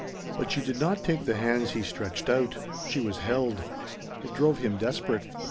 But she did not take the hands he stretched out. She was held. It drove him desperate.